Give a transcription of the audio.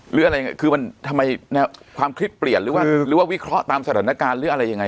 หรืออะไรยังไงคือมันทำไมแนวความคิดเปลี่ยนหรือว่าหรือว่าวิเคราะห์ตามสถานการณ์หรืออะไรยังไง